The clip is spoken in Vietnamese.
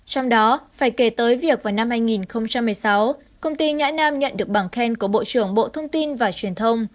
trong đó phải kể tới việc vào năm hai nghìn một mươi sáu công ty nhãi nam nhận được bằng khen của bộ trưởng bộ thông tin và truyền thông